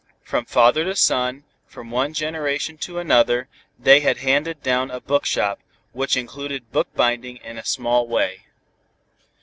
From father to son, from one generation to another, they had handed down a bookshop, which included bookbinding in a small way.